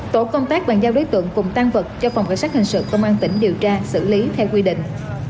tổ công tác bàn giao đối tượng cùng tan vật cho phòng cảnh sát hình sự công an tỉnh điều tra xử lý theo quy định